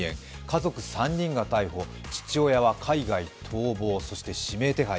家族３人が逮捕、父親は海外逃亡、そして指名手配。